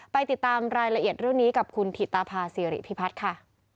ไปติดตามรายละเอียดเรื่องนี้กับคุณถิตภาษีริพิพัฒน์ค่ะ